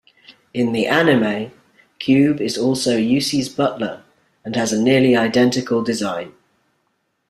In the anime, Cube is also Yucie's butler and has a nearly identical design.